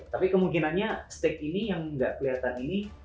tapi kemungkinannya stake ini yang tidak kelihatan ini